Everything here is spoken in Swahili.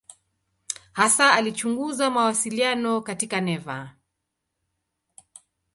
Hasa alichunguza mawasiliano katika neva.